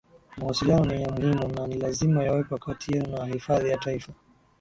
Mawasiliano ni ya muhimu na ni lazima yawepo kati yenu na hifadhi ya Taifa